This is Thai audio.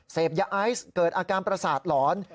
เสพยาไอซ์เกิดอาการประสาทหลอน